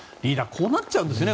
こうなっちゃうんですね